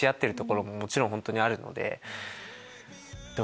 もちろん本当にあるので。